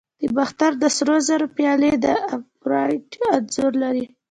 د باختر د سرو زرو پیالې د افروډایټ انځور لري